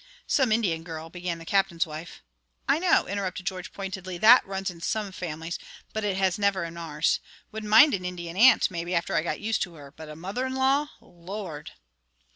"Some Indian girl" began the Captain's wife. "I know," interrupted George, pointedly; "that runs in some families, but it never has in ours. Wouldn't mind an Indian aunt, maybe, after I got used to her; but a mother in law Lord!"